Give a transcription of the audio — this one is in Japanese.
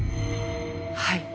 はい。